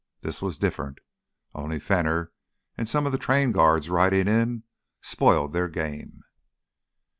This was different. Only Fenner an' some of the train guards ridin' in spoiled their game."